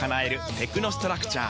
テクノストラクチャー！